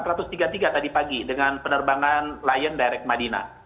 satu ratus tiga puluh tiga tadi pagi dengan penerbangan lion direct madinah